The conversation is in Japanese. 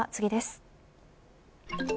では次です。